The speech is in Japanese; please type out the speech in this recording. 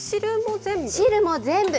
汁も全部？